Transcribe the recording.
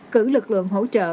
cử lực lượng hỗ trợ